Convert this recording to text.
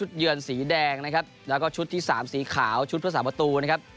ซึ่งก็มี๕สีนะครับ